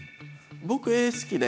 僕絵好きで。